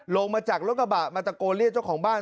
ลงมาจากรถกระบะมาตรกรเรียนลี่ท์เจ้าของบ้าน